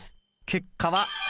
結果は？